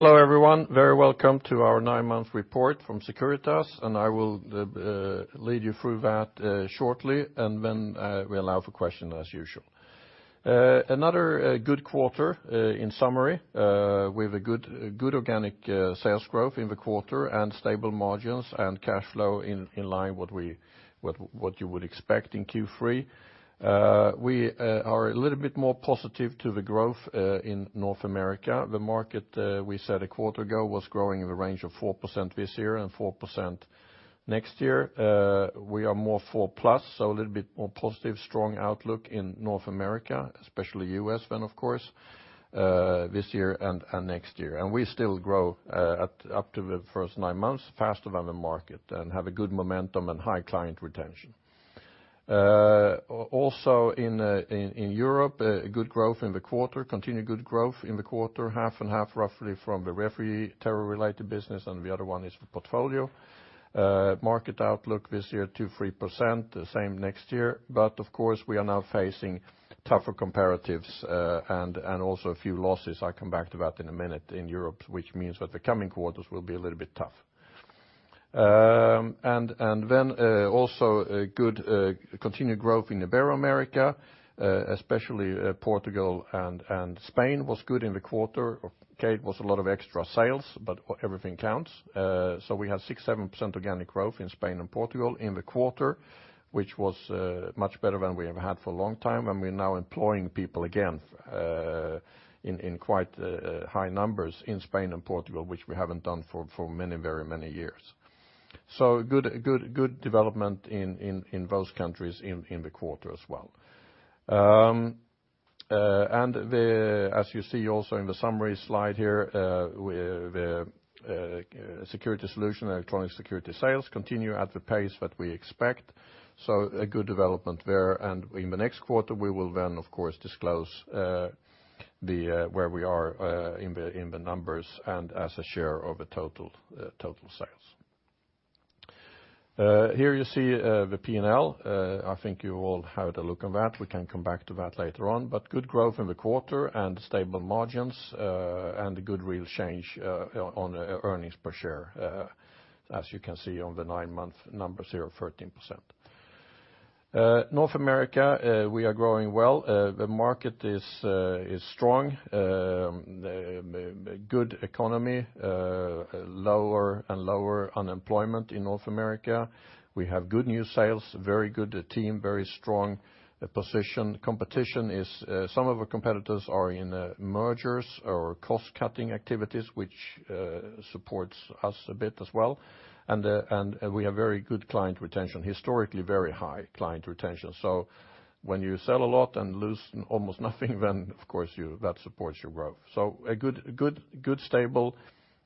Hello everyone, very welcome to our nine-month report from Securitas, and I will lead you through that shortly, and then we allow for questions as usual. Another good quarter, in summary, with a good, good organic sales growth in the quarter and stable margins and cash flow in line with what you would expect in Q3. We are a little bit more positive to the growth in North America. The market we said a quarter ago was growing in the range of 4% this year and 4% next year. We are more 4%+, so a little bit more positive, strong outlook in North America, especially U.S. then, of course, this year and next year. And we still grow, at up to the first nine months faster than the market and have a good momentum and high client retention.also in Europe, good growth in the quarter, continued good growth in the quarter, half and half roughly from the refugee terror-related business, and the other one is the portfolio. Market outlook this year 2%-3%, same next year, but of course we are now facing tougher comparatives, and also a few losses. I come back to that in a minute. In Europe, which means that the coming quarters will be a little bit tough. And then also good continued growth in the Ibero-America, especially Portugal and Spain was good in the quarter. Okay, it was a lot of extra sales, but everything counts. So we had 6%-7% organic growth in Spain and Portugal in the quarter, which was much better than we have had for a long time, and we're now employing people again in quite high numbers in Spain and Portugal, which we haven't done for many, very many years. So good, good, good development in those countries in the quarter as well. And as you see also in the summary slide here, the security solution, electronic security sales continue at the pace that we expect. So a good development there, and in the next quarter we will then, of course, disclose where we are in the numbers and as a share of the total sales. Here you see the P&L. I think you all have had a look at that. We can come back to that later on, but good growth in the quarter and stable margins, and good real change on earnings per share, as you can see on the nine month numbers here of 13%. North America, we are growing well. The market is strong, good economy, lower and lower unemployment in North America. We have good new sales, very good team, very strong position. Competition is. Some of our competitors are in mergers or cost-cutting activities, which supports us a bit as well. And we have very good client retention, historically very high client retention. So when you sell a lot and lose almost nothing, then, of course, that supports your growth. So a good, good, good stable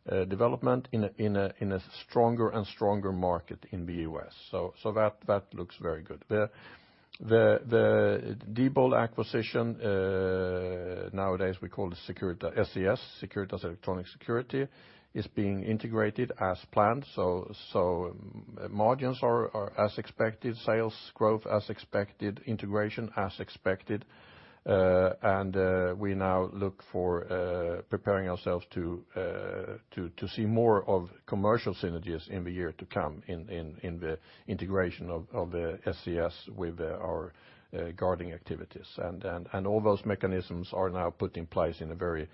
development in a stronger and stronger market in the U.S. So that looks very good. The Diebold acquisition, nowadays we call it Securitas SES, Securitas Electronic Security, is being integrated as planned. So, margins are as expected, sales growth as expected, integration as expected, and we now look for preparing ourselves to see more of commercial synergies in the year to come in the integration of the SES with our guarding activities. And all those mechanisms are now put in place in a very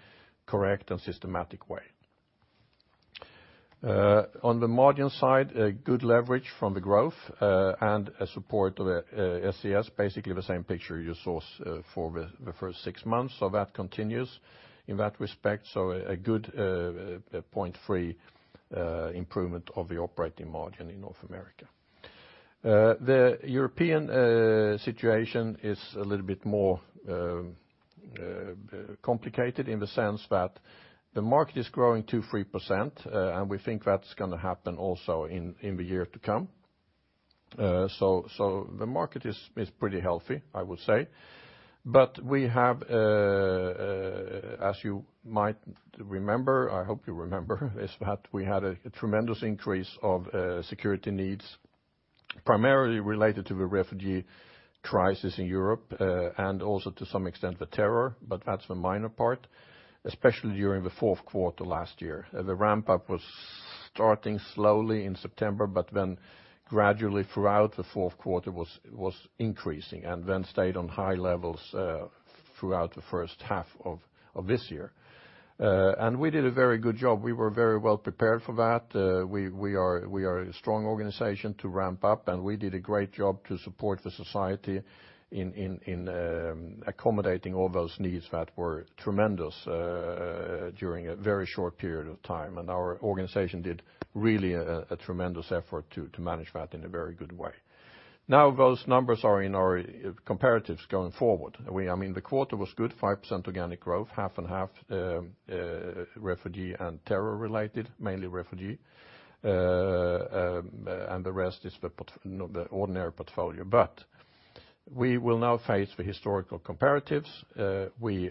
correct and systematic way. On the margin side, good leverage from the growth, and a support of SES, basically the same picture you saw for the first six months. So that continues in that respect. So a good 0.3 improvement of the operating margin in North America.The European situation is a little bit more complicated in the sense that the market is growing 2%-3%, and we think that's going to happen also in the year to come. So the market is pretty healthy, I would say. But we have, as you might remember, I hope you remember, is that we had a tremendous increase of security needs, primarily related to the refugee crisis in Europe, and also to some extent the terror, but that's the minor part, especially during the fourth quarter last year. The ramp-up was starting slowly in September, but then gradually throughout the fourth quarter was increasing and then stayed on high levels throughout the first half of this year. We did a very good job. We were very well prepared for that. We are a strong organization to ramp up, and we did a great job to support the society in accommodating all those needs that were tremendous during a very short period of time. And our organization did really a tremendous effort to manage that in a very good way. Now those numbers are in our comparatives going forward. We, I mean, the quarter was good, 5% organic growth, half and half, refugee and terror-related, mainly refugee, and the rest is the part, the ordinary portfolio. But we will now face the historical comparatives. We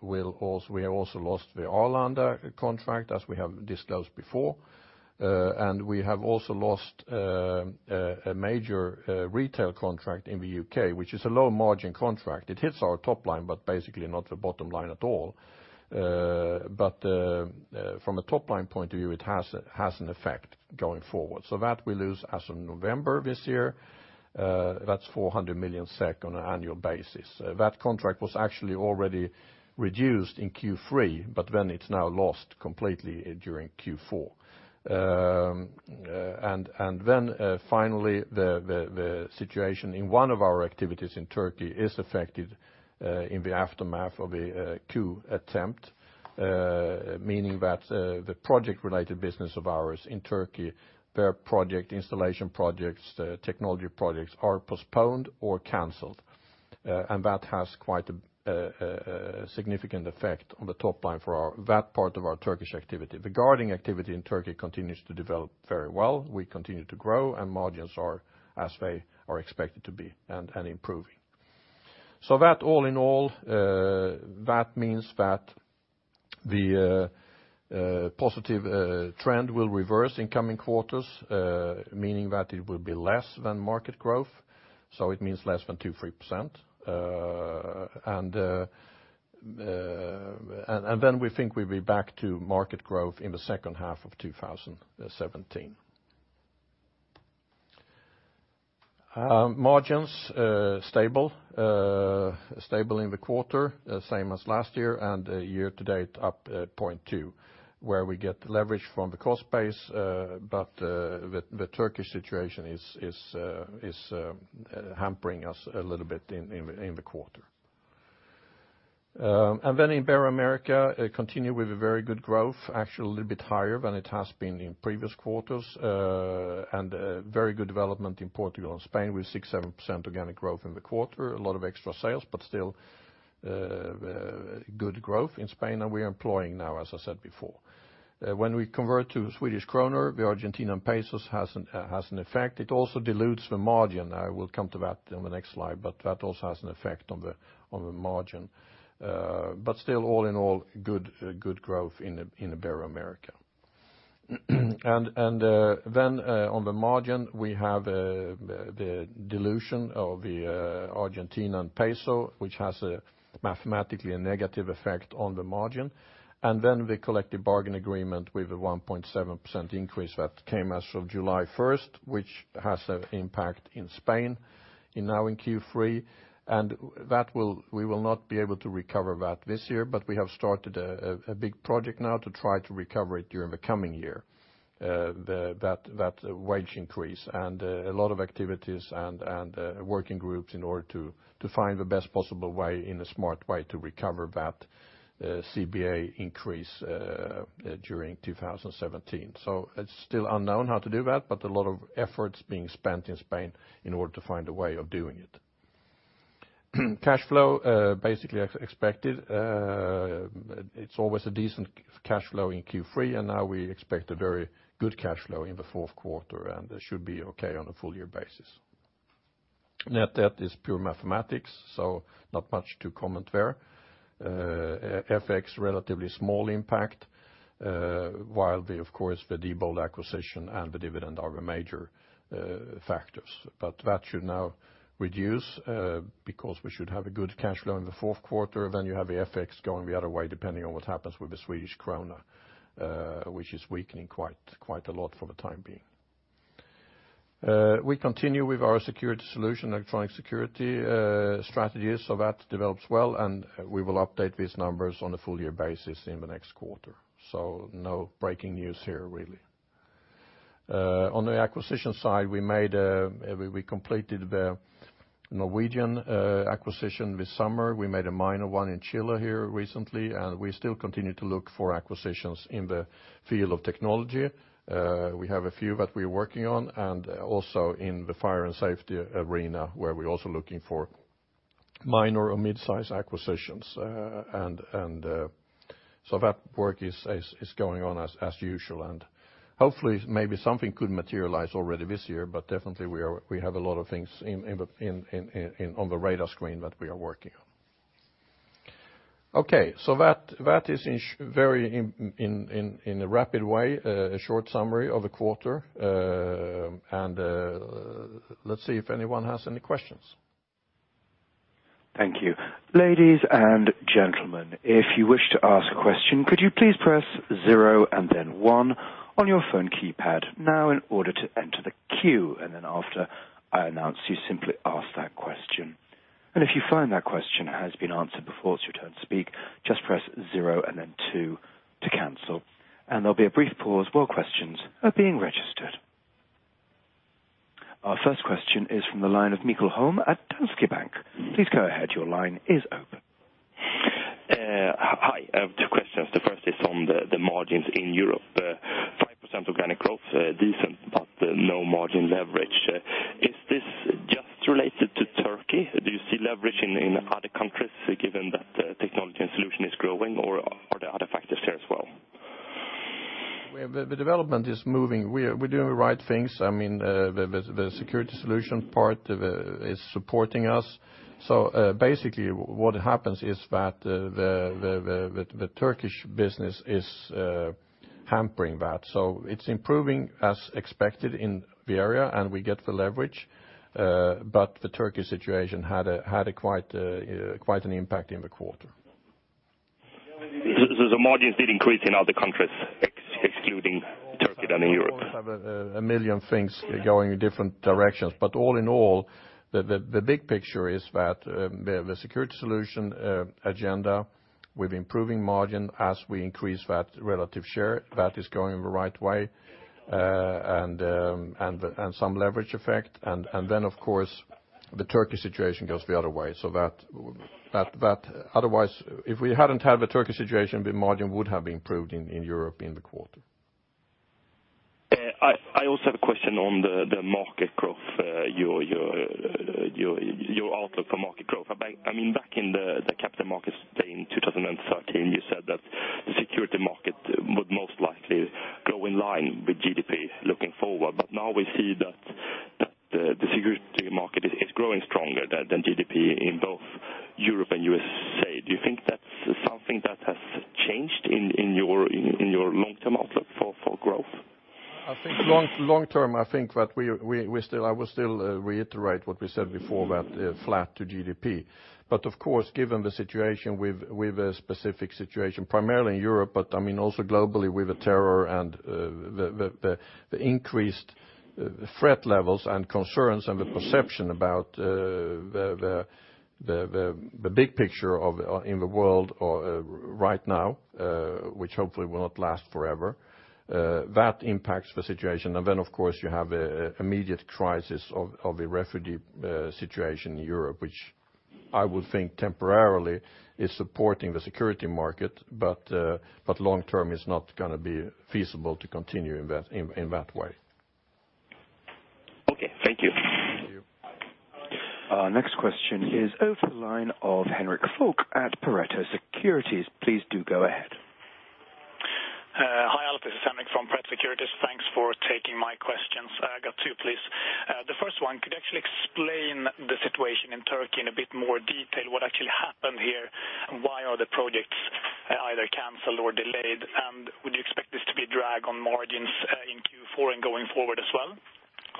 will also have lost the Arlanda contract, as we have disclosed before. And we have also lost a major retail contract in the U.K., which is a low-margin contract. It hits our top line, but basically not the bottom line at all. But from a top-line point of view, it has an effect going forward. So that we lose as of November this year. That's 400 million SEK on an annual basis. That contract was actually already reduced in Q3, but then it's now lost completely during Q4. And then, finally, the situation in one of our activities in Turkey is affected, in the aftermath of a coup attempt, meaning that the project-related business of ours in Turkey, their project, installation projects, technology projects are postponed or canceled. And that has quite a significant effect on the top line for that part of our Turkish activity. The guarding activity in Turkey continues to develop very well. We continue to grow, and margins are as they are expected to be and improving. So that all in all, that means that the positive trend will reverse in coming quarters, meaning that it will be less than market growth. So it means less than 2%-3%. And then we think we'll be back to market growth in the second half of 2017. Margins stable in the quarter, same as last year, and year-to-date up 0.2, where we get leverage from the cost base, but the Turkish situation is hampering us a little bit in the quarter. And then in Ibero-America, continue with a very good growth, actually a little bit higher than it has been in previous quarters, and very good development in Portugal and Spain with 6%-7% organic growth in the quarter, a lot of extra sales, but still good growth in Spain, and we are employing now, as I said before. When we convert to Swedish kronor, the Argentine pesos has an effect. It also dilutes the margin. I will come to that on the next slide, but that also has an effect on the margin. But still all in all good, good growth in the Ibero-America. And then, on the margin, we have the dilution of the Argentine peso, which has mathematically a negative effect on the margin. And then the collective bargaining agreement with a 1.7% increase that came as of July 1st, which has an impact in Spain now in Q3.And that we will not be able to recover that this year, but we have started a big project now to try to recover it during the coming year, that wage increase and a lot of activities and working groups in order to find the best possible way, in a smart way, to recover that CBA increase during 2017. So it's still unknown how to do that, but a lot of efforts being spent in Spain in order to find a way of doing it. Cash flow basically expected. It's always a decent cash flow in Q3, and now we expect a very good cash flow in the fourth quarter, and it should be okay on a full-year basis. Net, net is pure mathematics, so not much to comment there. FX, relatively small impact, while the, of course, the Diebold acquisition and the dividend are the major factors. But that should now reduce, because we should have a good cash flow in the fourth quarter. Then you have the FX going the other way depending on what happens with the Swedish krona, which is weakening quite, quite a lot for the time being. We continue with our security solution, electronic security, strategy, so that develops well, and we will update these numbers on a full-year basis in the next quarter. So no breaking news here, really. On the acquisition side, we made, we completed the Norwegian acquisition this summer. We made a minor one in Chile here recently, and we still continue to look for acquisitions in the field of technology. We have a few that we're working on and also in the fire and safety arena, where we're also looking for minor or midsize acquisitions. So that work is going on as usual. Hopefully, maybe something could materialize already this year, but definitely we have a lot of things on the radar screen that we are working on. Okay, so that is, in short, a very rapid way, a short summary of the quarter. Let's see if anyone has any questions. Thank you. Ladies and gentlemen, if you wish to ask a question, could you please press zero and then one on your phone keypad now in order to enter the queue? And then after I announce, you simply ask that question. And if you find that question has been answered before it's your turn to speak, just press zero and then two to cancel. And there'll be a brief pause while questions are being registered. Our first question is from the line of Mikael Holm at Danske Bank. Please go ahead. Your line is open. Hi. Two questions. The first is on the margins in Europe. 5% organic growth, decent, but no margin leverage. Is this just related to Turkey? Do you see leverage in other countries given that technology and solution is growing, or are there other factors here as well? Well, the development is moving. We're doing the right things. I mean, the security solution part is supporting us. So, basically, what happens is that the Turkish business is hampering that. So it's improving as expected in the area, and we get the leverage. But the Turkish situation had quite an impact in the quarter. So, the margins did increase in other countries, excluding Turkey, and in Europe? We also have a million things going in different directions. But all in all, the big picture is that the security solutions agenda, with improving margin as we increase that relative share, is going in the right way, and some leverage effect. Then, of course, the Turkish situation goes the other way. So otherwise, if we hadn't had the Turkish situation, the margin would have improved in Europe in the quarter. I also have a question on the market growth, your outlook for market growth. I mean, back in the capital markets day in 2013, you said that the security market would most likely go in line with GDP looking forward. But now we see that the security market is growing stronger than GDP in both Europe and USA. Do you think that's something that has changed in your long-term outlook for growth? I think long-term, I think that we still will still reiterate what we said before, that flat to GDP. But of course, given the situation with a specific situation, primarily in Europe, but I mean, also globally with the terror and the increased threat levels and concerns and the perception about the big picture of in the world right now, which hopefully will not last forever, that impacts the situation. And then, of course, you have an immediate crisis of the refugee situation in Europe, which I would think temporarily is supporting the security market, but long-term, it's not going to be feasible to continue in that way. Okay. Thank you. Thank you. Next question is over the line of Henrik Knutsson at Pareto Securities. Please do go ahead. Hi, Alf. This is Henrik from Pareto Securities. Thanks for taking my questions. I got two, please. The first one, could you actually explain the situation in Turkey in a bit more detail, what actually happened here, and why are the projects, either canceled or delayed? And would you expect this to be a drag on margins, in Q4 and going forward as well,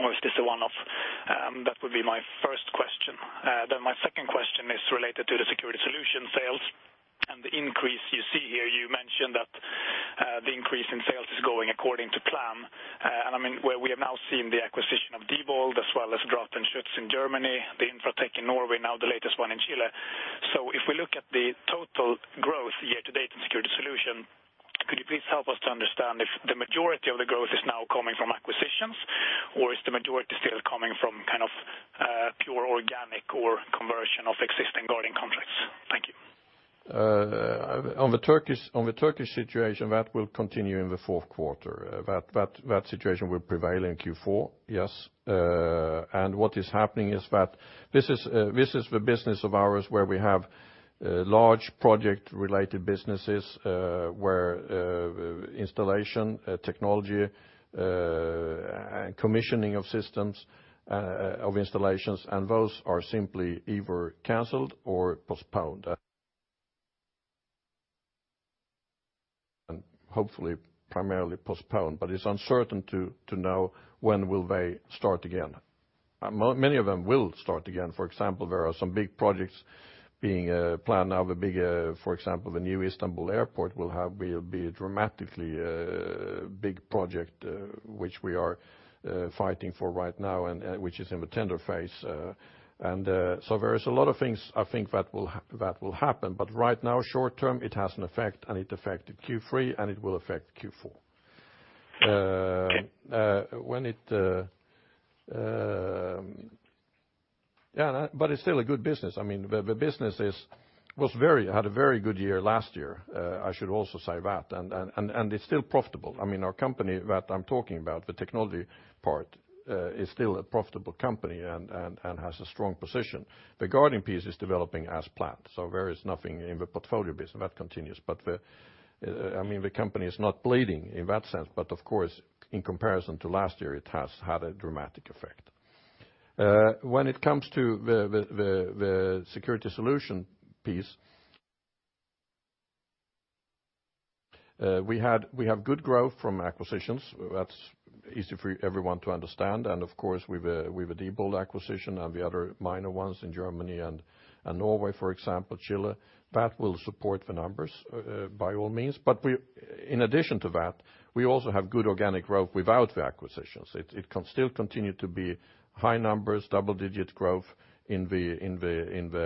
or is this one of that would be my first question. Then my second question is related to the security solution sales and the increase you see here. You mentioned that, the increase in sales is going according to plan. And I mean, where we have now seen the acquisition of Diebold as well as Draht+Schutz in Germany, the Infratek in Norway, now the latest one in Chile. If we look at the total growth year-to-date in security solution, could you please help us to understand if the majority of the growth is now coming from acquisitions, or is the majority still coming from kind of, pure organic or conversion of existing guarding contracts? Thank you. On the Turkish situation, that will continue in the fourth quarter. That situation will prevail in Q4, yes. And what is happening is that this is the business of ours where we have large project-related businesses, where installation, technology, and commissioning of systems, of installations, and those are simply either canceled or postponed, and hopefully primarily postponed. But it's uncertain to know when they will start again. Many of them will start again. For example, there are some big projects being planned now. The big, for example, the new Istanbul airport will be a dramatically big project, which we are fighting for right now and which is in the tender phase. And so there is a lot of things, I think, that will happen. But right now, short term, it has an effect, and it affected Q3, and it will affect Q4. But it's still a good business. I mean, the business had a very good year last year, I should also say that. And it's still profitable. I mean, our company that I'm talking about, the technology part, is still a profitable company and has a strong position. The guarding piece is developing as planned, so there is nothing in the portfolio business that continues. But, I mean, the company is not bleeding in that sense, but of course, in comparison to last year, it has had a dramatic effect. When it comes to the security solution piece, we have good growth from acquisitions. That's easy for everyone to understand. Of course, with the Diebold acquisition and the other minor ones in Germany and Norway, for example, Chile, that will support the numbers, by all means. But we in addition to that, we also have good organic growth without the acquisitions. It can still continue to be high numbers, double-digit growth in the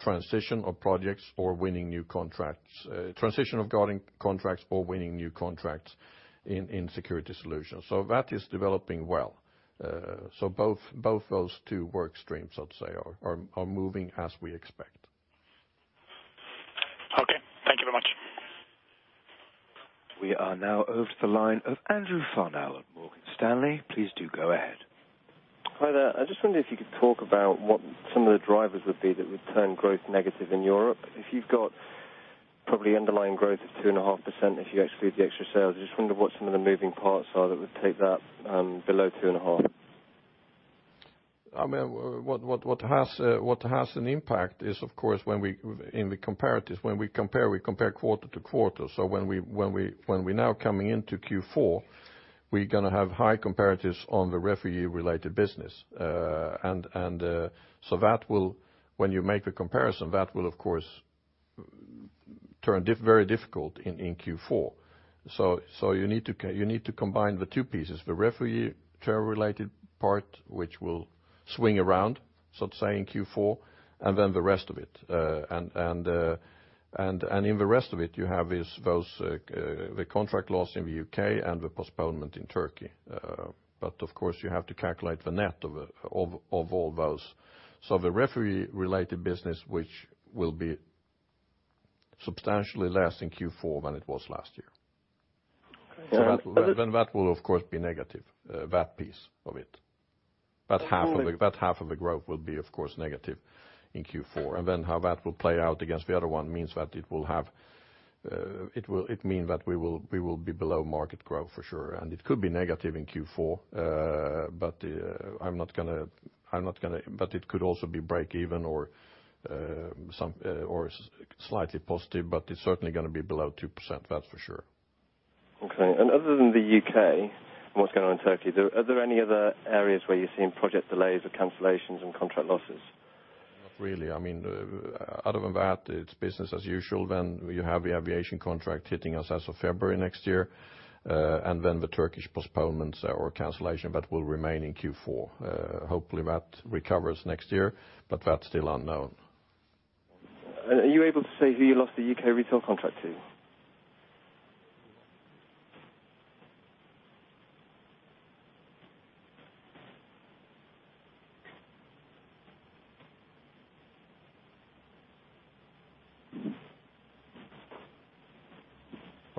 transition of projects or winning new contracts, transition of guarding contracts or winning new contracts in security solutions. So that is developing well. So both those two work streams, I'd say, are moving as we expect. Okay. Thank you very much. We are now over to the line of Andrew Farnell at Morgan Stanley. Please do go ahead. Hi there. I just wondered if you could talk about what some of the drivers would be that would turn growth negative in Europe. If you've got probably underlying growth of 2.5% if you exclude the extra sales, I just wonder what some of the moving parts are that would take that below 2.5%. I mean, what has an impact is, of course, when we in the comparatives when we compare, we compare quarter to quarter. So when we now coming into Q4, we're going to have high comparatives on the refugee-related business. And in the rest of it, you have is those, the contract loss in the UK and the postponement in Turkey. But of course, you have to calculate the net of all those. The refugee-related business, which will be substantially less in Q4 than it was last year. Okay. So. So that will, of course, be negative, that piece of it. That half of the growth will be, of course, negative in Q4. And then how that will play out against the other one means that it will mean that we will be below market growth for sure. And it could be negative in Q4, but it could also be break-even or slightly positive, but it's certainly going to be below 2%, that's for sure. Okay. And other than the U.K. and what's going on in Turkey, there, are there any other areas where you're seeing project delays or cancellations and contract losses? Not really. I mean, other than that, it's business as usual. Then you have the aviation contract hitting us as of February next year, and then the Turkish postponements or cancellation that will remain in Q4. Hopefully, that recovers next year, but that's still unknown. Are you able to say who you lost the UK retail contract to?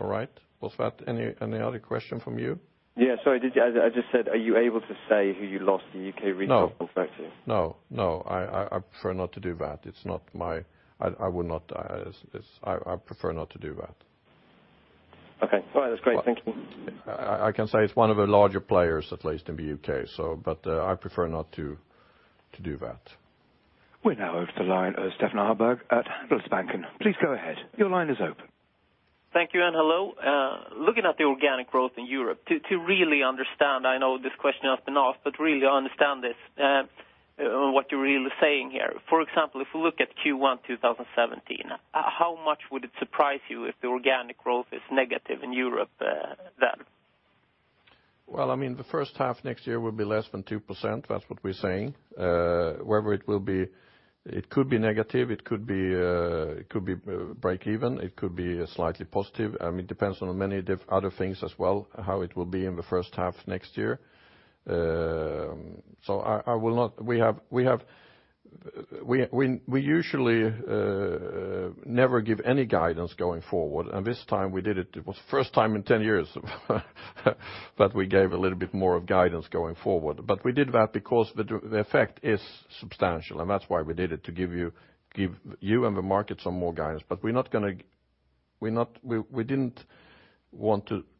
All right. Was that any other question from you? Yeah. Sorry. I just said, are you able to say who you lost the UK retail? No. Contract to? No, no, no. I prefer not to do that. It's not my, I would not, it's I prefer not to do that. Okay. All right. That's great. Thank you. I can say it's one of the larger players, at least, in the U.K., but I prefer not to do that. We're now over to the line of Stefan Andersson at Handelsbanken. Please go ahead. Your line is open. Thank you, Anne. Hello. Looking at the organic growth in Europe, to really understand. I know this question has been asked, but really understand this, what you're really saying here. For example, if we look at Q1 2017, how much would it surprise you if the organic growth is negative in Europe, then? Well, I mean, the first half next year will be less than 2%. That's what we're saying. Wherever it will be, it could be negative. It could be, it could be break-even. It could be slightly positive. I mean, it depends on many different other things as well, how it will be in the first half next year. So I will not. We usually never give any guidance going forward. And this time, we did it. It was the first time in 10 years that we gave a little bit more of guidance going forward. But we did that because the effect is substantial, and that's why we did it, to give you and the markets some more guidance. But we're not going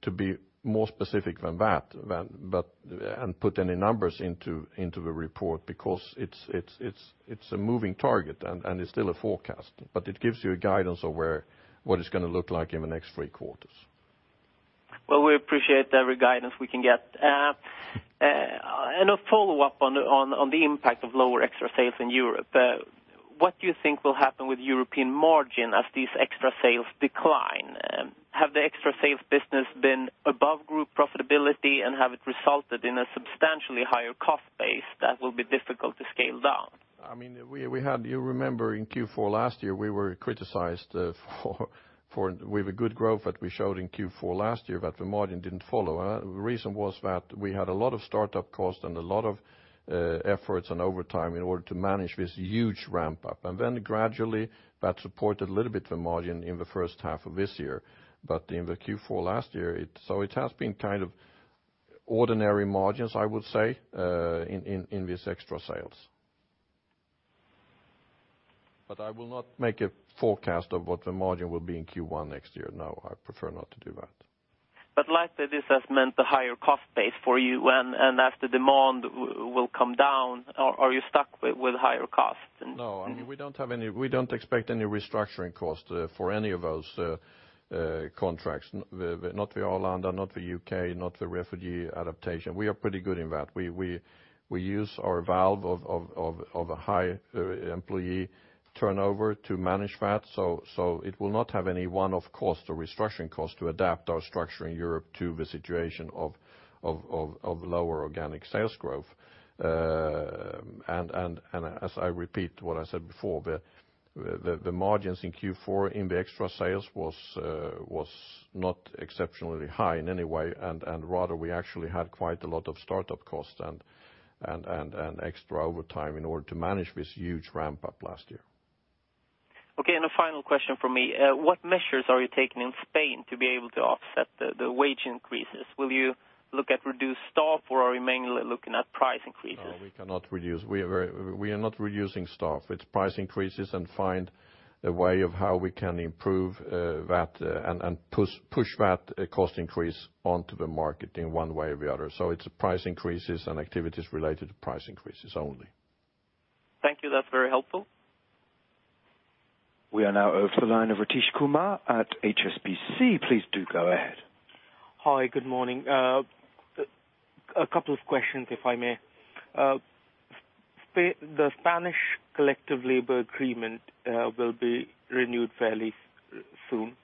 to be more specific than that and put any numbers into the report because it's a moving target, and it's still a forecast. But it gives you a guidance of where what it's going to look like in the next three quarters. Well, we appreciate every guidance we can get. A follow-up on the impact of lower extra sales in Europe. What do you think will happen with European margin as these extra sales decline? Have the extra sales business been above group profitability, and have it resulted in a substantially higher cost base that will be difficult to scale down? I mean, we had you remember, in Q4 last year, we were criticized for with a good growth that we showed in Q4 last year, but the margin didn't follow. The reason was that we had a lot of startup costs and a lot of efforts and overtime in order to manage this huge ramp-up. And then gradually, that supported a little bit the margin in the first half of this year. But in the Q4 last year, it has been kind of ordinary margins, I would say, in these extra sales. But I will not make a forecast of what the margin will be in Q1 next year. No, I prefer not to do that. But likely, this has meant a higher cost base for you, and as the demand will come down, are you stuck with higher costs and? No. I mean, we don't have any. We don't expect any restructuring costs for any of those contracts. No, they're not for Ireland and not for U.K., not for refugee adaptation. We are pretty good in that. We use our value of a high employee turnover to manage that. So it will not have any one-off cost or restructuring cost to adapt our structure in Europe to the situation of lower organic sales growth. And as I repeat what I said before, the margins in Q4 in the extra sales was not exceptionally high in any way, and rather, we actually had quite a lot of startup costs and extra overtime in order to manage this huge ramp-up last year. Okay. A final question from me. What measures are you taking in Spain to be able to offset the wage increases? Will you look at reduced staff, or are you mainly looking at price increases? No, we cannot reduce. We are very. We are not reducing staff. It's price increases and find a way of how we can improve that, and push that cost increase onto the market in one way or the other. So it's price increases and activities related to price increases only. Thank you. That's very helpful. We are now over to the line of Ritesh Kumar at HSBC. Please do go ahead. Hi. Good morning. A couple of questions, if I may. So the Spanish collective labor agreement will be renewed fairly soon.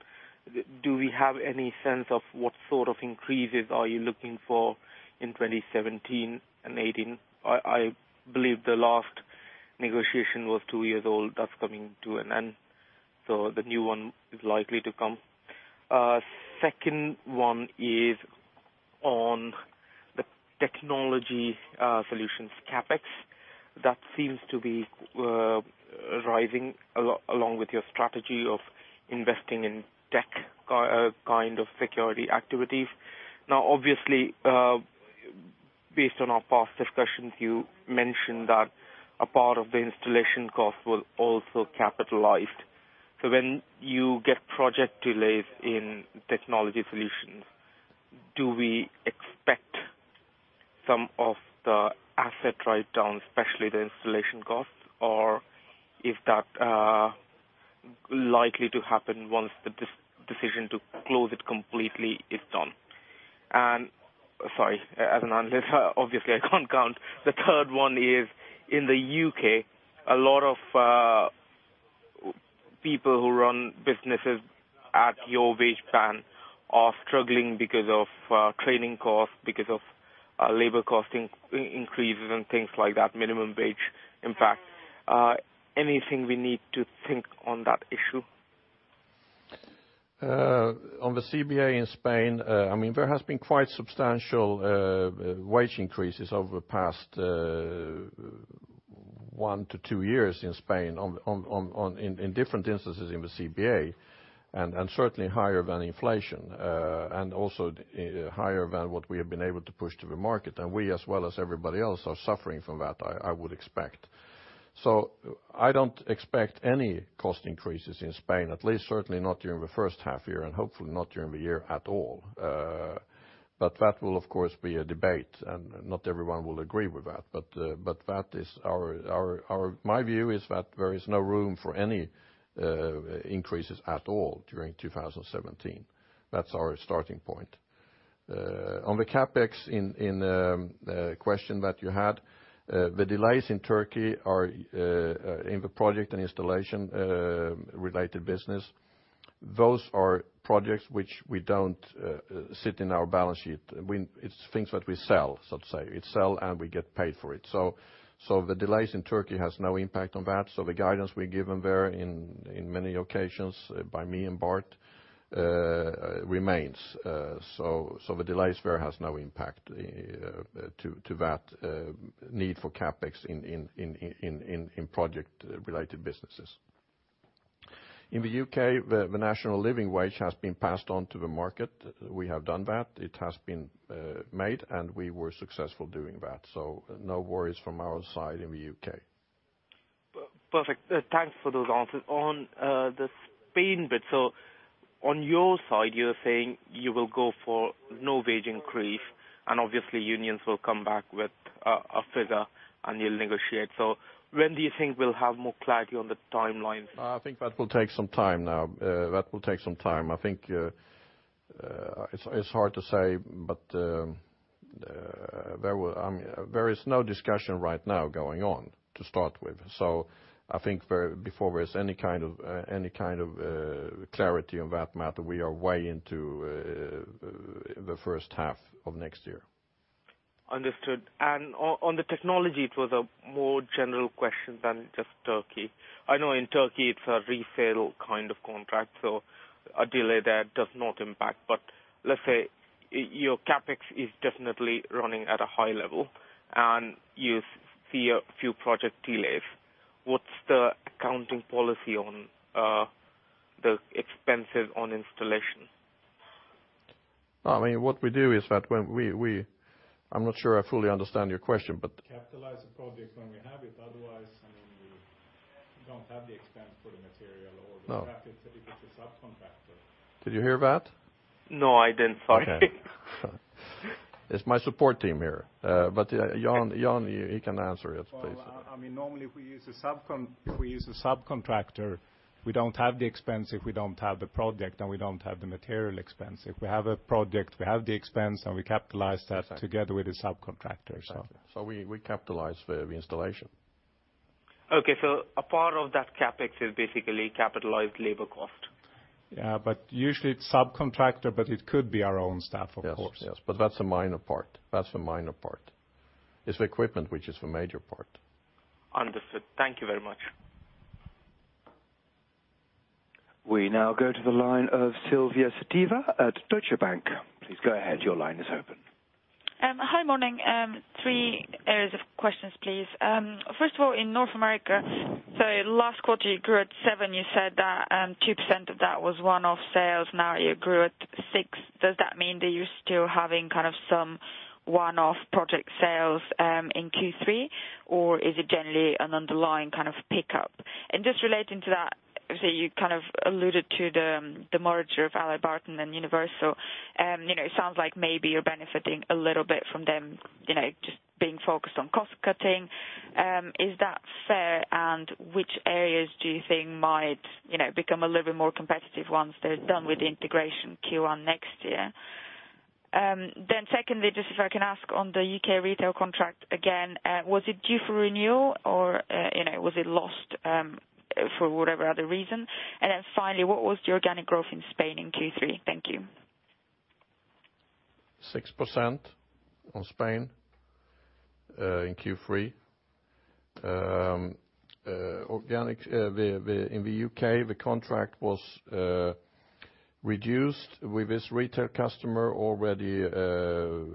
Do we have any sense of what sort of increases are you looking for in 2017 and 2018? I believe the last negotiation was two years old. That's coming to an end, so the new one is likely to come. Second one is on the technology solutions CapEx. That seems to be rising a lot along with your strategy of investing in tech kind of security activities. Now, obviously, based on our past discussions, you mentioned that a part of the installation costs will also capitalized. So when you get project delays in technology solutions, do we expect some of the asset write-down, especially the installation costs, or is that likely to happen once the decision to close it completely is done? And sorry. As an analyst, obviously, I can't count. The third one is in the U.K., a lot of people who run businesses at your wage band are struggling because of training costs, because of labor cost increases and things like that, minimum wage impact. Anything we need to think on that issue? On the CBA in Spain, I mean, there has been quite substantial wage increases over the past 1-2 years in Spain in different instances in the CBA, and certainly higher than inflation, and also higher than what we have been able to push to the market. And we, as well as everybody else, are suffering from that, I would expect. So I don't expect any cost increases in Spain, at least certainly not during the first half year and hopefully not during the year at all. But that will, of course, be a debate, and not everyone will agree with that. But that is our my view is that there is no room for any increases at all during 2017. That's our starting point. On the CapEx in question that you had, the delays in Turkey are in the project and installation related business. Those are projects which we don't sit in our balance sheet. It's things that we sell, so to say. We sell, and we get paid for it. So the delays in Turkey has no impact on that. So the guidance we're given there in many occasions by me and Bart remains. So the delays there has no impact to that need for CapEx in project-related businesses. In the U.K., the National Living Wage has been passed on to the market. We have done that. It has been made, and we were successful doing that. So no worries from our side in the U.K. Perfect. Thanks for those answers. On the Spain bit, so on your side, you're saying you will go for no wage increase, and obviously, unions will come back with a figure, and you'll negotiate. So when do you think we'll have more clarity on the timelines? I think that will take some time now. That will take some time. I think it's hard to say, but I mean there is no discussion right now going on to start with. So I think very before there's any kind of clarity on that matter, we are way into the first half of next year. Understood. And on the technology, it was a more general question than just Turkey. I know in Turkey, it's a retail kind of contract, so a delay there does not impact. But let's say your CapEx is definitely running at a high level, and you see a few project delays. What's the accounting policy on the expenses on installation? Well, I mean, what we do is that when we, I'm not sure I fully understand your question, but. Capitalize the project when we have it. Otherwise, I mean, we don't have the expense for the material or the. No. CapEx if it's a subcontractor. Did you hear that? No, I didn't. Sorry. Okay. It's my support team here. Jan, Jan, you can answer it. Please. Well, I mean, normally, we use a subcont if we use a subcontractor, we don't have the expense if we don't have the project, and we don't have the material expense. If we have a project, we have the expense, and we capitalize that. Exactly. Together with the subcontractor, so. Exactly. So we capitalize the installation. Okay. So a part of that CapEx is basically capitalized labor cost? Yeah. But usually, it's subcontractor, but it could be our own staff, of course. Yes, yes. But that's a minor part. That's a minor part. It's the equipment, which is a major part. Understood. Thank you very much. We now go to the line of Sylvia Barker at Deutsche Bank. Please go ahead. Your line is open. Hi. Morning. Three areas of questions, please. First of all, in North America—sorry, last quarter, you grew at 7%. You said that 2% of that was one-off sales. Now, you grew at 6%. Does that mean that you're still having kind of some one-off project sales in Q3, or is it generally an underlying kind of pickup? And just relating to that, obviously, you kind of alluded to the merger of AlliedBarton and Universal. You know, it sounds like maybe you're benefiting a little bit from them, you know, just being focused on cost-cutting. Is that fair, and which areas do you think might, you know, become a little bit more competitive once they're done with the integration Q1 next year? Then secondly, just if I can ask, on the UK retail contract, again, was it due for renewal, or, you know, was it lost, for whatever other reason? And then finally, what was the organic growth in Spain in Q3? Thank you. 6% on Spain in Q3 organic. We in the U.K., the contract was reduced with this retail customer already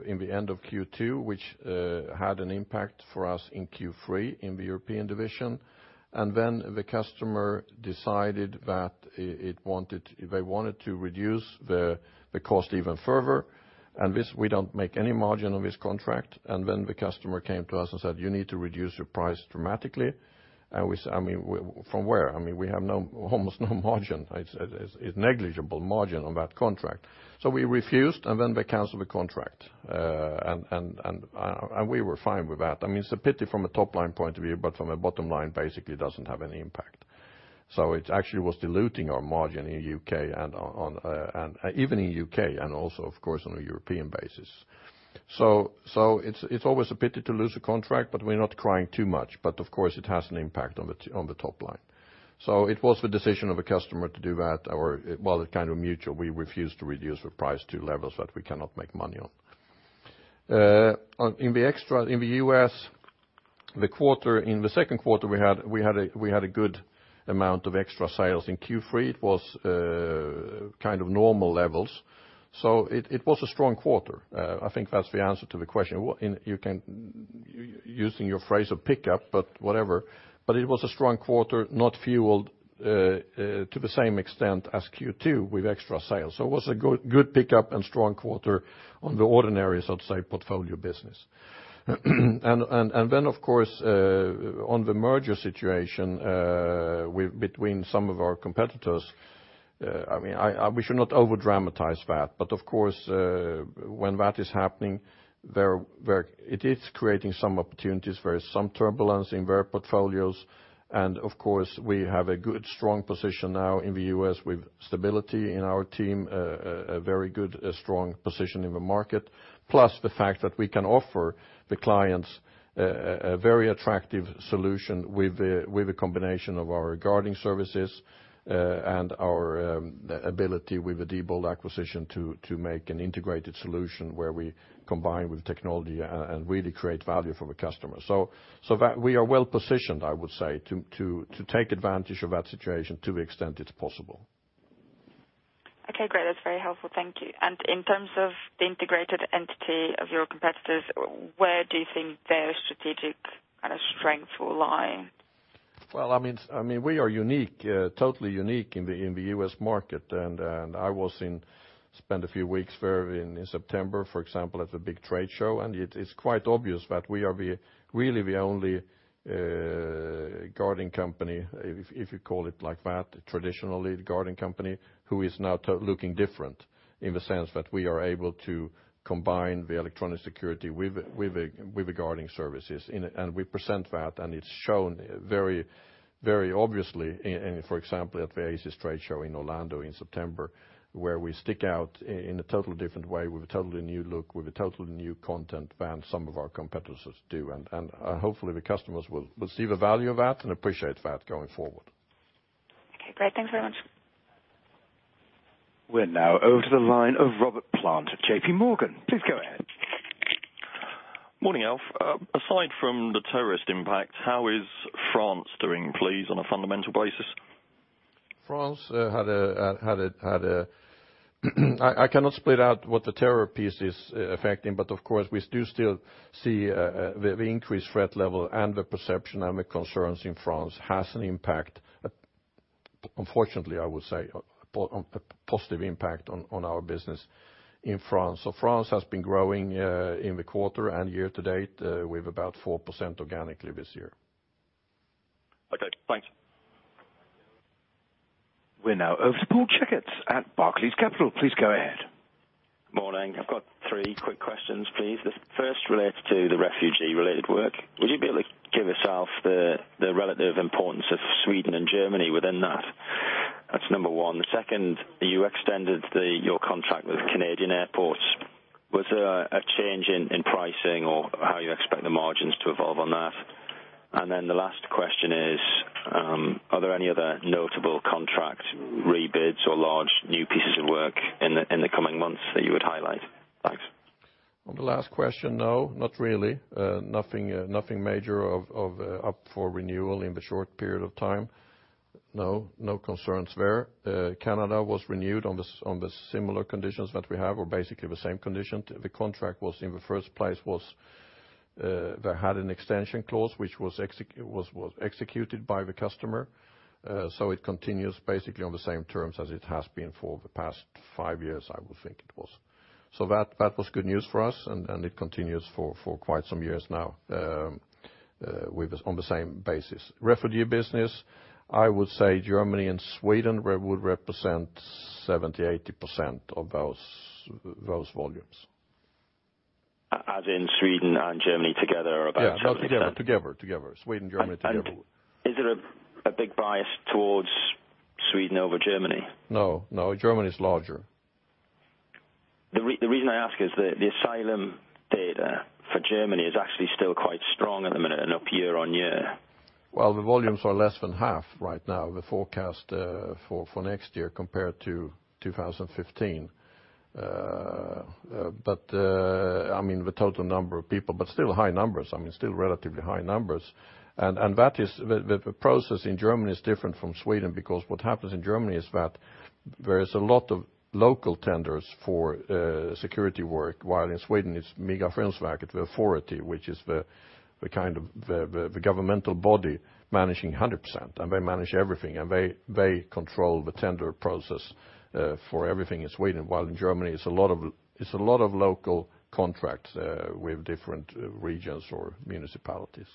in the end of Q2, which had an impact for us in Q3 in the European division. And then the customer decided that it wanted, they wanted to reduce the cost even further. And this, we don't make any margin on this contract. And then the customer came to us and said, "You need to reduce your price dramatically." And we said, "I mean, from where? I mean, we have almost no margin. It's negligible margin on that contract." So we refused, and then they canceled the contract. And we were fine with that. I mean, it's a pity from a top-line point of view, but from a bottom-line, basically, it doesn't have any impact. So it actually was diluting our margin in the U.K. and even in the U.K. and also, of course, on a European basis. So it's always a pity to lose a contract, but we're not crying too much. But of course, it has an impact on the top line. So it was the decision of a customer to do that or, well, it's kind of mutual. We refused to reduce the price to levels that we cannot make money on. In the U.S., in the second quarter, we had a good amount of extra sales in Q3. It was kind of normal levels. So it was a strong quarter. I think that's the answer to the question. What? You can – you're using your phrase of pickup, but whatever. But it was a strong quarter, not fueled to the same extent as Q2 with extra sales. So it was a good, good pickup and strong quarter on the ordinary, so to say, portfolio business. And then, of course, on the merger situation with between some of our competitors, I mean, we should not overdramatize that. But of course, when that is happening, there are very it is creating some opportunities. There is some turbulence in their portfolios. And of course, we have a good, strong position now in the U.S. with stability in our team, a very good, strong position in the market, plus the fact that we can offer the clients a very attractive solution with a combination of our guarding services, and our ability with the Diebold acquisition to make an integrated solution where we combine with technology and really create value for the customer. So that we are well-positioned, I would say, to take advantage of that situation to the extent it's possible. Okay. Great. That's very helpful. Thank you. And in terms of the integrated entity of your competitors, where do you think their strategic kind of strength will lie? Well, I mean, we are unique, totally unique in the US market. And I spent a few weeks very recently in September, for example, at the big trade show. And it's quite obvious that we are really the only guarding company, if you call it like that, traditionally the guarding company, who is now looking different in the sense that we are able to combine the electronic security with guarding services. And we present that, and it's shown very obviously, for example, at the ASIS trade show in Orlando in September where we stick out in a totally different way with a totally new look, with a totally new content than some of our competitors do. And, hopefully, the customers will see the value of that and appreciate that going forward. Okay. Great. Thanks very much. We're now over to the line of Robert Plant at JP Morgan. Please go ahead. Morning, Alf. Aside from the terrorist impact, how is France doing, please, on a fundamental basis? France, I cannot split out what the terror piece is affecting, but of course, we do still see the increased threat level and the perception and the concerns in France has an impact, unfortunately, I would say, on a positive impact on our business in France. So France has been growing in the quarter and year to date, with about 4% organically this year. Okay. Thanks. We're now over to Paul Checketts at Barclays Capital. Please go ahead. Morning. I've got three quick questions, please. The first relates to the refugee-related work. Would you be able to give us, Alf, the relative importance of Sweden and Germany within that? That's number one. Second, you extended your contract with Canadian airports. Was there a change in pricing or how you expect the margins to evolve on that? And then the last question is, are there any other notable contract rebids or large new pieces of work in the coming months that you would highlight? Thanks. On the last question, no, not really. Nothing major up for renewal in the short period of time. No, no concerns there. Canada was renewed on the similar conditions that we have or basically the same condition. The contract was in the first place, they had an extension clause which was executed by the customer. So it continues basically on the same terms as it has been for the past five years, I would think it was. So that, that was good news for us, and, and it continues for, for quite some years now, with on the same basis. Refugee business, I would say Germany and Sweden would represent 70%-80% of those, those volumes. As in Sweden and Germany together or about. Yeah. No, together. Together, together. Sweden, Germany together. Is there a big bias towards Sweden over Germany? No. No, Germany's larger. The reason I ask is that the asylum data for Germany is actually still quite strong at the minute and up year on year. Well, the volumes are less than half right now. The forecast for next year compared to 2015, but I mean, the total number of people but still high numbers. I mean, still relatively high numbers. And that is the process in Germany is different from Sweden because what happens in Germany is that there is a lot of local tenders for security work, while in Sweden, it's Migrationsverket, the authority, which is the kind of the governmental body managing 100%. And they manage everything, and they control the tender process for everything in Sweden, while in Germany, it's a lot of local contracts with different regions or municipalities.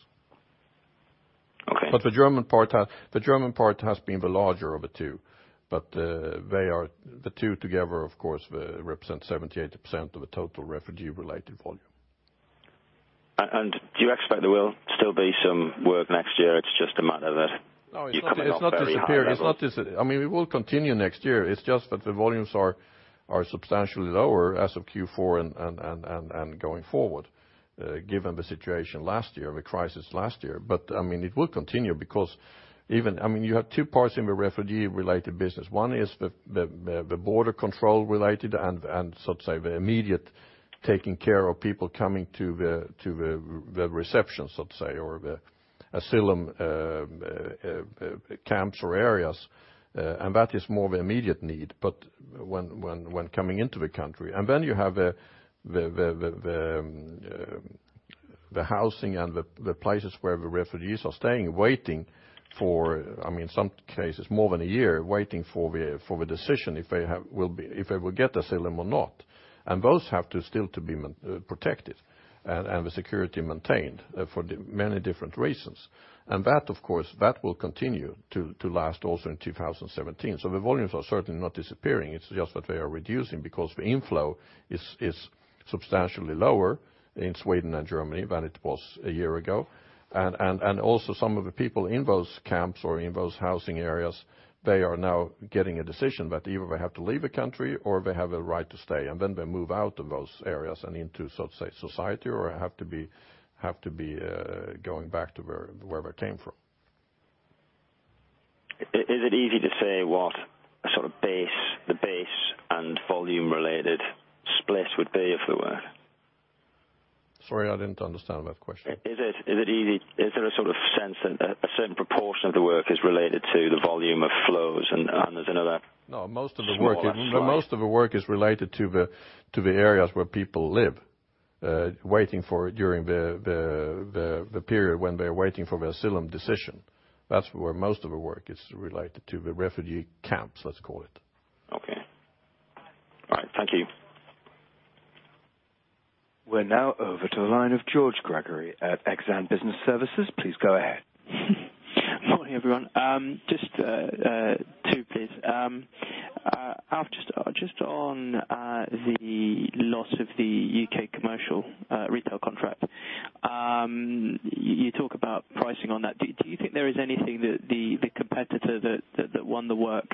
Okay. But the German part has been the larger of the two. But they are the two together, of course, represent 70%-80% of the total refugee-related volume. Do you expect there will still be some work next year? It's just a matter that you're coming up there. No, it's not disappearing. It's not disappearing. I mean, it will continue next year. It's just that the volumes are substantially lower as of Q4 and going forward, given the situation last year, the crisis last year. But I mean, it will continue because even I mean, you have two parts in the refugee-related business. One is the border control-related and, so to say, the immediate taking care of people coming to the reception, so to say, or the asylum camps or areas. And that is more of an immediate need but when coming into the country. And then you have the housing and the places where the refugees are staying, waiting for—I mean, some cases, more than a year—waiting for the decision if they will get asylum or not. And those have to still to be protected and the security maintained, for the many different reasons. And that, of course, will continue to last also in 2017. So the volumes are certainly not disappearing. It's just that they are reducing because the inflow is substantially lower in Sweden and Germany than it was a year ago. And also, some of the people in those camps or in those housing areas, they are now getting a decision that either they have to leave the country or they have a right to stay. And then they move out of those areas and into, so to say, society or have to be going back to where they came from. Is it easy to say what a sort of base and volume-related split would be, in other words? Sorry. I didn't understand that question. Is it easy? Is there a sort of sense that a certain proportion of the work is related to the volume of flows, and there's another. No. Most of the work is related to the areas where people live, waiting during the period when they are waiting for the asylum decision. That's where most of the work is related to the refugee camps, let's call it. Okay. All right. Thank you. We're now over to the line of George Gregory at Exane BNP Paribas. Please go ahead. Morning, everyone. Just two, please. Alf, just on the loss of the UK commercial retail contract. You talk about pricing on that. Do you think there is anything that the competitor that won the work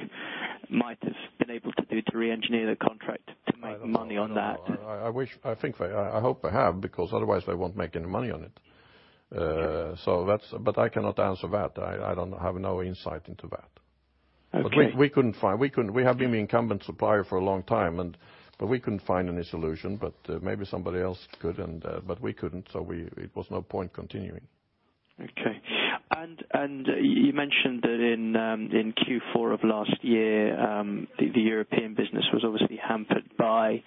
might have been able to do to re-engineer the contract to make. I don't know. Money on that? I wish I think they hope they have because otherwise, they won't make any money on it. So that's but I cannot answer that. I don't have no insight into that. Okay. But we couldn't find. We have been the incumbent supplier for a long time, and but we couldn't find any solution. But maybe somebody else could, and but we couldn't, so it was no point continuing. Okay. And you mentioned that in Q4 of last year, the European business was obviously hampered by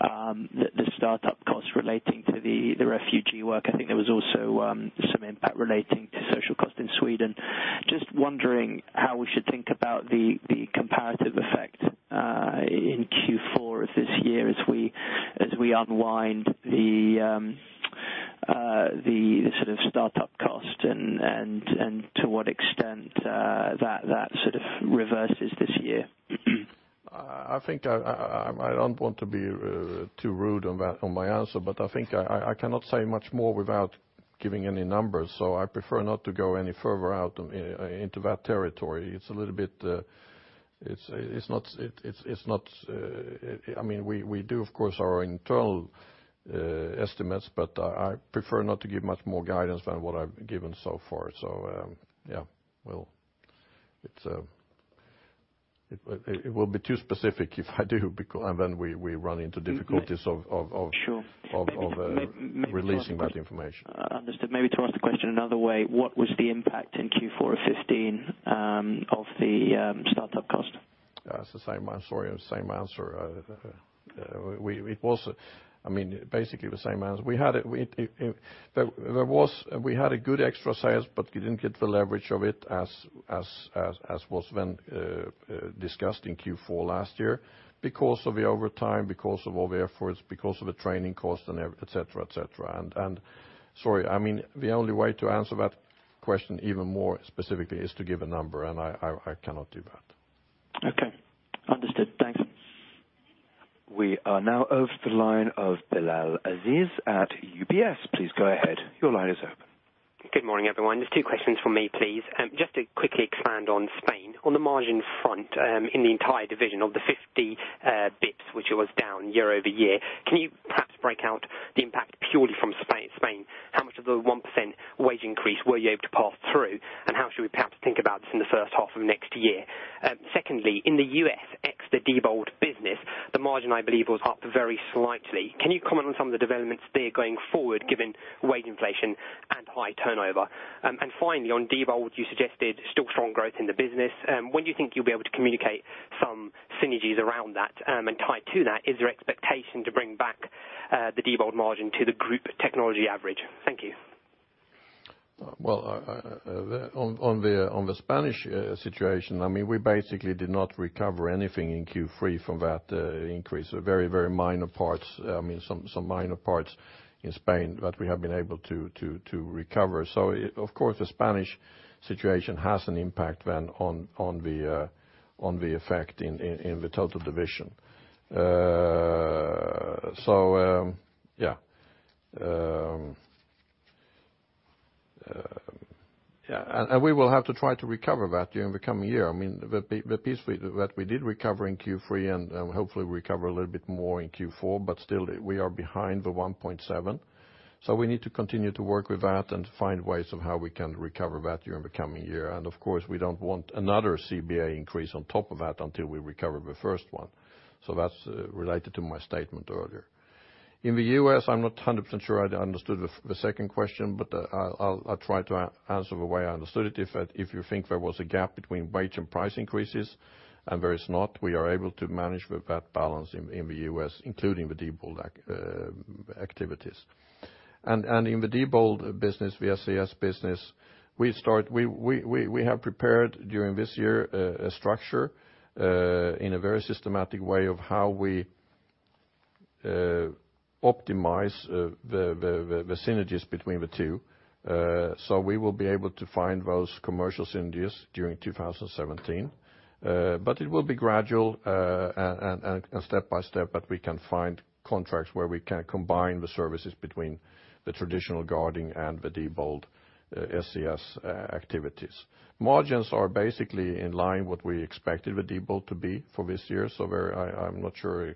the startup costs relating to the refugee work. I think there was also some impact relating to social cost in Sweden. Just wondering how we should think about the comparative effect in Q4 of this year as we unwind the sort of startup cost and to what extent that sort of reverses this year. I think I don't want to be too rude on that on my answer, but I think I cannot say much more without giving any numbers. So I prefer not to go any further out into that territory. It's a little bit. It's not. It's not. I mean, we do, of course, our internal estimates, but I prefer not to give much more guidance than what I've given so far. So, yeah. Well, it will be too specific if I do because and then we run into difficulties. Sure. Of releasing that information. Understood. Maybe to ask the question another way. What was the impact in Q4 of 2015 of the startup cost? It's the same answer. I'm sorry. Same answer. I mean, basically, the same answer. We had good organic sales, but we didn't get the leverage of it as was discussed in Q4 last year because of the overtime, because of all the efforts, because of the training cost, and etc., etc. And sorry. I mean, the only way to answer that question even more specifically is to give a number, and I cannot do that. Okay. Understood. Thanks. We are now over to the line of Bilal Aziz at UBS. Please go ahead. Your line is open. Good morning, everyone. Just two questions from me, please. Just to quickly expand on Spain. On the margin front, in the entire division of the 50 basis points, which it was down year over year, can you perhaps break out the impact purely from Spain? How much of the 1% wage increase were you able to pass through, and how should we perhaps think about this in the first half of next year? Secondly, in the U.S. ex the Diebold business, the margin, I believe, was up very slightly. Can you comment on some of the developments there going forward given wage inflation and high turnover? And finally, on Diebold, you suggested still strong growth in the business. When do you think you'll be able to communicate some synergies around that, and tie to that? Is there expectation to bring back, the Diebold margin to the group technology average? Thank you. Well, on the Spanish situation, I mean, we basically did not recover anything in Q3 from that increase. Very minor parts, I mean, some minor parts in Spain that we have been able to recover. So, of course, the Spanish situation has an impact then on the effect in the total division. Yeah. And we will have to try to recover that during the coming year. I mean, the piece that we did recover in Q3, and hopefully, we recover a little bit more in Q4, but still, we are behind the 1.7. So we need to continue to work with that and find ways of how we can recover that during the coming year. Of course, we don't want another CBA increase on top of that until we recover the first one. That's related to my statement earlier. In the U.S., I'm not 100% sure I understood the second question, but I'll try to answer the way I understood it. If you think there was a gap between wage and price increases and there is not, we are able to manage with that balance in the US, including the Diebold acquisition activities. And in the Diebold business, SES business, we have prepared during this year a structure in a very systematic way of how we optimize the synergies between the two. So we will be able to find those commercial synergies during 2017.But it will be gradual, and step by step that we can find contracts where we can combine the services between the traditional guarding and the Diebold SES activities. Margins are basically in line with what we expected the Diebold to be for this year. So, I'm not sure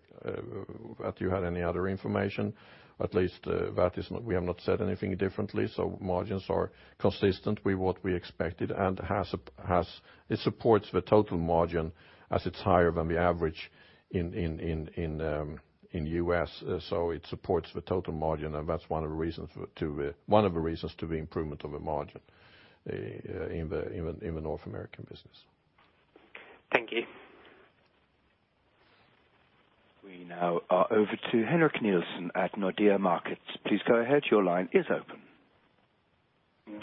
that you had any other information. At least, that is, we have not said anything differently. So margins are consistent with what we expected and it supports the total margin as it's higher than the average in the U.S. So it supports the total margin, and that's one of the reasons for, one of the reasons for the improvement of the margin in the North American business. Thank you. We now are over to Henrik Nielsen at Nordea Markets. Please go ahead. Your line is open.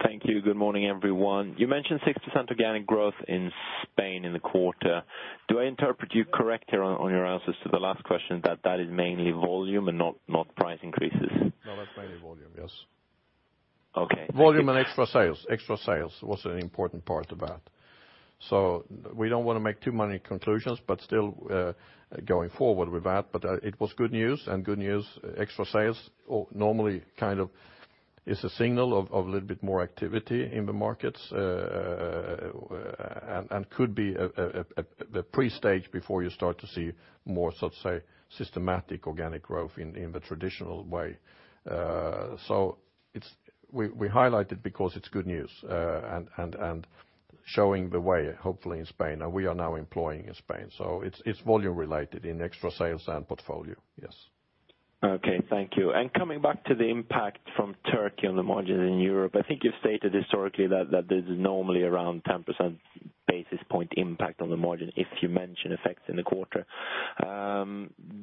Thank you. Good morning, everyone. You mentioned 6% organic growth in Spain in the quarter. Do I interpret you correct here on, on your answers to the last question that that is mainly volume and not, not price increases? No, that's mainly volume. Yes. Okay. Volume and extra sales. Extra sales was an important part of that. So we don't want to make too many conclusions, but still, going forward with that. But it was good news, and good news. Extra sales normally kind of is a signal of a little bit more activity in the markets, and could be a pre-stage before you start to see more, so to say, systematic organic growth in the traditional way. So it's. We highlight it because it's good news, and showing the way, hopefully, in Spain. And we are now employing in Spain. So it's volume-related in extra sales and portfolio. Yes. Okay. Thank you. And coming back to the impact from Turkey on the margins in Europe, I think you've stated historically that, that there's normally around 10 basis points impact on the margin if you mention effects in the quarter.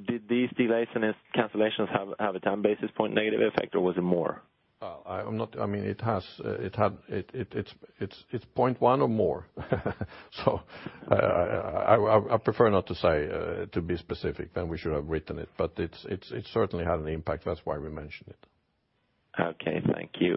Did these delays and cancellations have, have a 10 basis points negative effect, or was it more? Well, I'm not—I mean, it has. It had it. It's 0.1 or more. So, I prefer not to say, to be specific. Then we should have written it. But it's certainly had an impact. That's why we mentioned it. Okay. Thank you.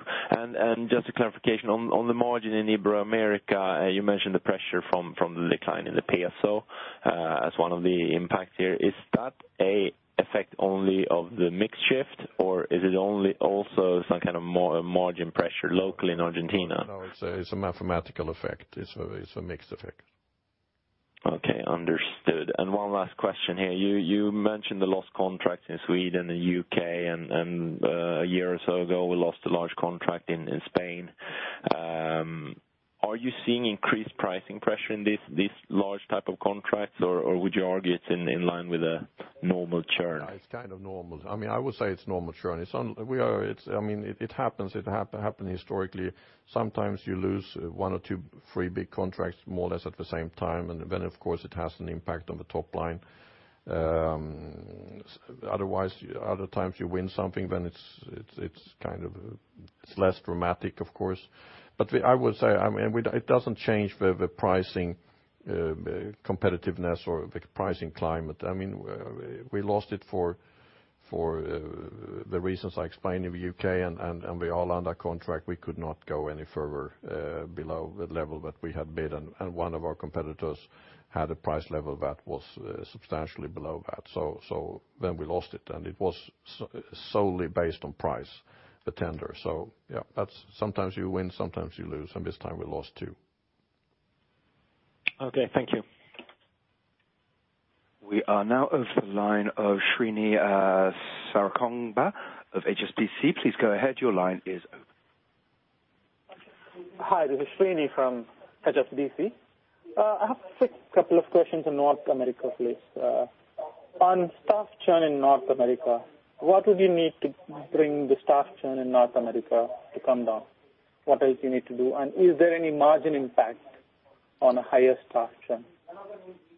Just a clarification. On the margin in Ibero-America, you mentioned the pressure from the decline in the peso, as one of the impacts here. Is that an effect only of the mix shift, or is it also some kind of margin pressure locally in Argentina? No, it's a mathematical effect. It's a mixed effect. Okay. Understood. And one last question here. You mentioned the lost contracts in Sweden and U.K., and a year or so ago, we lost a large contract in Spain. Are you seeing increased pricing pressure in these large type of contracts, or would you argue it's in line with a normal churn? Yeah. It's kind of normal. I mean, I would say it's normal churn. It's what we are. It's, I mean, it happens. It happened historically. Sometimes, you lose one or two, a few big contracts more or less at the same time, and then, of course, it has an impact on the top line. Otherwise, other times, you win something. Then it's less dramatic, of course. But I would say, I mean, it doesn't change the pricing, competitiveness or the pricing climate. I mean, we lost it for the reasons I explained in the U.K., and we are under contract. We could not go any further below the level that we had bid, and one of our competitors had a price level that was substantially below that. So then we lost it.It was solely based on price, the tender. Yeah. That's sometimes you win. Sometimes you lose. This time, we lost two. Okay. Thank you. We are now over to the line of Srini Sarakonan of HSBC. Please go ahead. Your line is open. Hi. This is Srini from HSBC. I have quick couple of questions in North America, please. On staff churn in North America, what would you need to bring the staff churn in North America to come down? What else do you need to do? And is there any margin impact on a higher staff churn?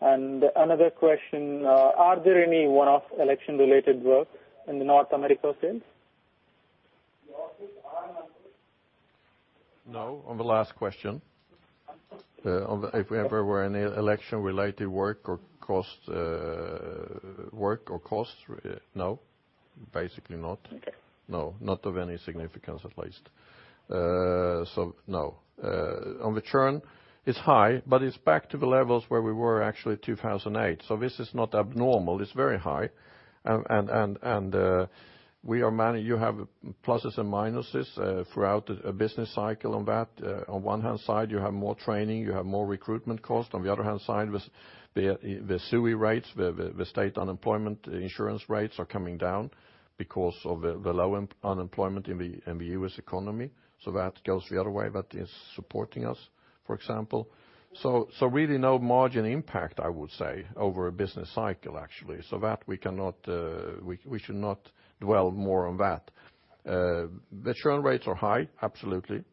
And another question, are there any one-off election-related work in the North America sales? No. On the last question, on the if we ever were any election-related work or cost, work or costs, we're no? Basically, not. Okay. No. Not of anysignificance, at least. So no. On the churn, it's high, but it's back to the levels where we were, actually, 2008. So this is not abnormal. It's very high. And we are man you have pluses and minuses throughout the business cycle on that. On one hand side, you have more training. You have more recruitment cost. On the other hand side, with the SUI rates, the state unemployment insurance rates are coming down because of the low unemployment in the US economy. So that goes the other way. That is supporting us, for example. So really, no margin impact, I would say, over a business cycle, actually. So that we cannot, we should not dwell more on that. The churn rates are high, absolutely,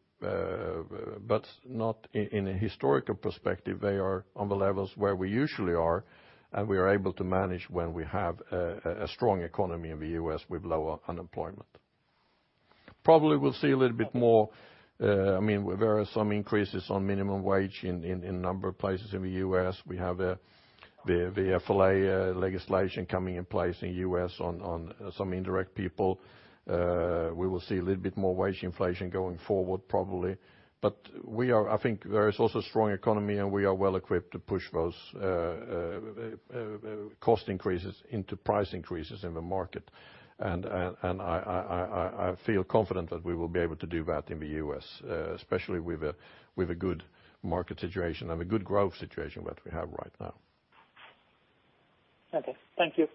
but not in a historical perspective. They are on the levels where we usually are, and we are able to manage when we have a strong economy in the U.S. with lower unemployment. Probably, we'll see a little bit more. I mean, where there are some increases on minimum wage in a number of places in the U.S. We have the FLSA legislation coming in place in the U.S. on some indirect people. We will see a little bit more wage inflation going forward, probably. But we are, I think there is also a strong economy, and we are well-equipped to push those cost increases into price increases in the market. And I feel confident that we will be able to do that in the U.S., especially with a good market situation and a good growth situation that we have right now. Okay. Thank you.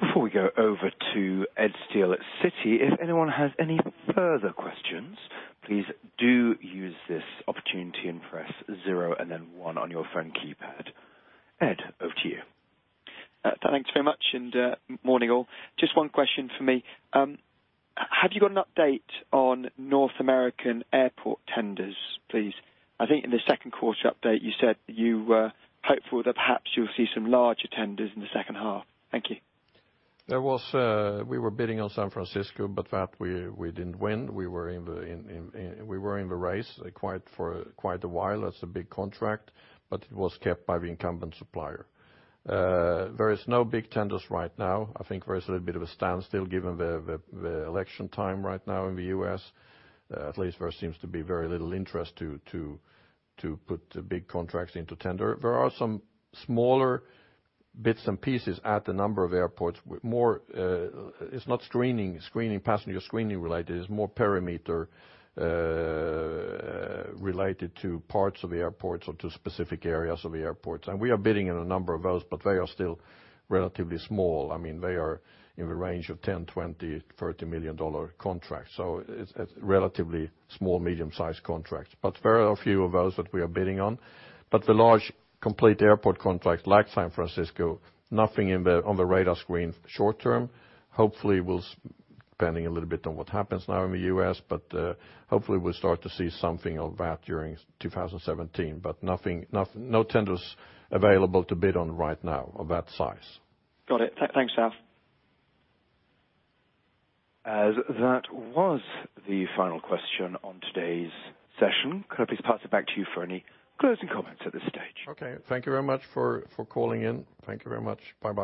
Before we go over to Ed Steele at Citi, if anyone has any further questions, please do use this opportunity and press zero and then one on your phone keypad. Ed, over to you. Thanks very much. Morning, all. Just one question for me. Have you got an update on North American airport tenders, please? I think in the second-quarter update, you said you were hopeful that perhaps you'll see some larger tenders in the second half. Thank you. There was, we were bidding on San Francisco, but we didn't win. We were in the race for quite a while. That's a big contract, but it was kept by the incumbent supplier. There is no big tenders right now. I think there is a little bit of a standstill given the election time right now in the U.S. At least, there seems to be very little interest to put the big contracts into tender. There are some smaller bits and pieces at a number of airports with more. It's not screening, passenger screening-related. It's more perimeter, related to parts of airports or to specific areas of airports. And we are bidding on a number of those, but they are still relatively small.I mean, they are in the range of $10 million, $20 million, $30 million contracts. So it's relatively small, medium-sized contracts, but very few of those that we are bidding on. But the large complete airport contracts like San Francisco, nothing on the radar screen short term. Hopefully, we'll see depending a little bit on what happens now in the U.S., but hopefully, we'll start to see something of that during 2017. But nothing, no tenders available to bid on right now of that size. Got it. Thanks, Sal. That was the final question on today's session. Could I please pass it back to you for any closing comments at this stage? Okay. Thank you very much for, for calling in. Thank you very much. Bye-bye.